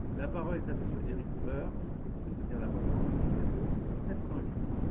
La parole est à Monsieur Éric Woerth, pour soutenir l’amendement numéro sept cent huit.